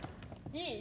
いい？